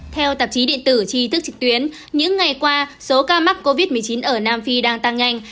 theo tạp chí điện tử tri thức trực tuyến những ngày qua số ca mắc covid một mươi chín ở nam phi đang tăng nhanh